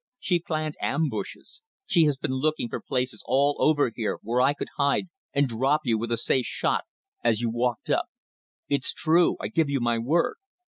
She planned ambushes. She has been looking for places all over here where I could hide and drop you with a safe shot as you walked up. It's true. I give you my word."